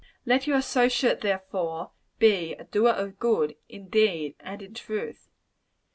Let your associate, therefore, be a doer of good, in deed and in truth.